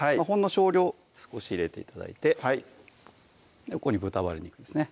少量少し入れて頂いてここに豚バラ肉ですね